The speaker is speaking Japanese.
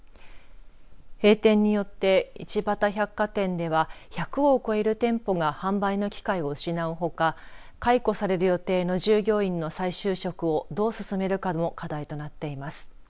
閉店によって、一畑百貨店では１００を超える店舗が販売の機会を失うほか解雇される予定の従業員の再就職をどう進めるかも課題となっています。